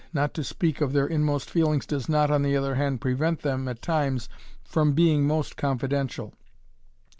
Not to speak of their inmost feelings does not, on the other hand, prevent them at times from being most confidential.